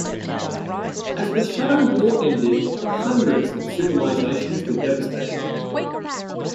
As the Shadow War ended, hundreds of civilizations were devastated.